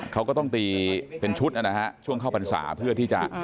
เขาก็ต้องตีเป็นชุดนะฮะช่วงเข้าพรรษาเพื่อที่จะ